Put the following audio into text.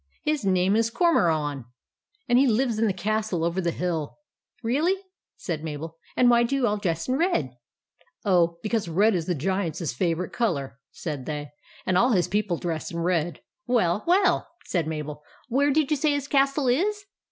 His name is Cormoran, and he lives in the castle over the hill." " Really ?" said Mabel. " And why do you all dress in red ?"" Oh, because red is the Giant's favourite colour," said they ;" and all his people dress in red." " Well, well !" said Mabel. " Where did you say his castle is